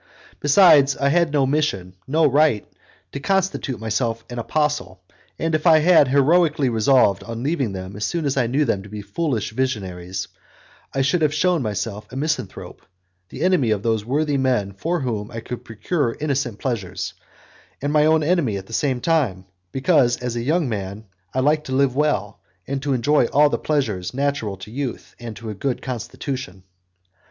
Besides, I had no mission, no right, to constitute myself an apostle, and if I had heroically resolved on leaving them as soon as I knew them to be foolish visionaries, I should have shewn myself a misanthrope, the enemy of those worthy men for whom I could procure innocent pleasures, and my own enemy at the same time; because, as a young man, I liked to live well, to enjoy all the pleasures natural to youth and to a good constitution.